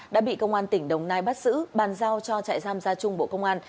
đã bị công an tỉnh đồng nai bắt giữ bàn giao cho trại giam gia trung bộ công an